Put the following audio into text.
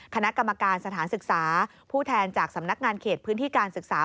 คณะกรรมการสถานศึกษาผู้แทนจากสำนักงานเขตพื้นที่การศึกษา